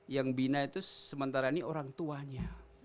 yang bina itu sementara ini orang tuanya